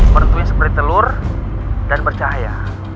bertuah yang seperti telur dan bercahaya